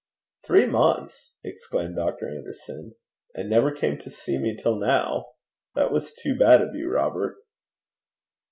'Three months!' exclaimed Dr. Anderson. 'And never came to see me till now! That was too bad of you, Robert.'